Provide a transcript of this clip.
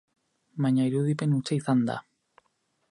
Baina irudipen hutsa izan da.